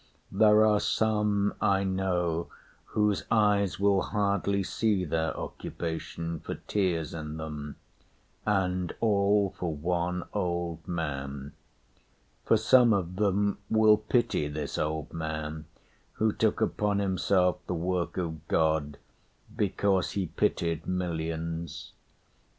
There are some I know Whose eyes will hardly see their occupation, For tears in them and all for one old man; For some of them will pity this old man, Who took upon himself the work of God Because he pitied millions.